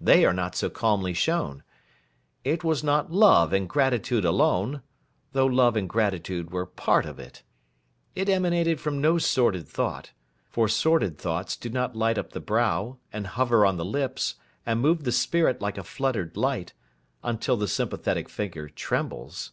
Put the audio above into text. They are not so calmly shown. It was not love and gratitude alone, though love and gratitude were part of it. It emanated from no sordid thought, for sordid thoughts do not light up the brow, and hover on the lips, and move the spirit like a fluttered light, until the sympathetic figure trembles.